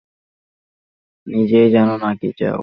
নিজেই জানো না, কী চাও।